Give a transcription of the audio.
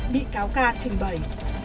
bị cáo ca trình bày